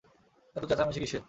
এতো চেঁচামেচি কিসের?